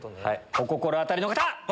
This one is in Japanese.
お心当たりの方！